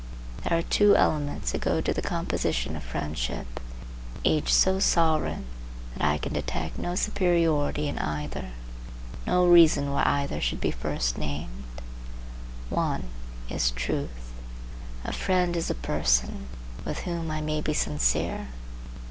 There are two elements that go to the composition of friendship, each so sovereign that I can detect no superiority in either, no reason why either should be first named. One is truth. A friend is a person with whom I may be sincere.